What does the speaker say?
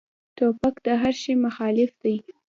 توپک د هر شي مخالف دی.